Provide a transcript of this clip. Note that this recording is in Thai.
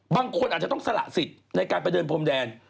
บางคนอาจจะต้องสละสิทธิ์ในการไปเดินพรมแดน